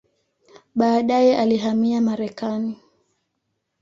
Baadaye alihamia Marekani.